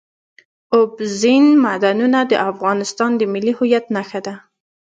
اوبزین معدنونه د افغانستان د ملي هویت نښه ده.